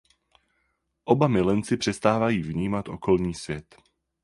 Oba milenci přestávají vnímat okolní svět.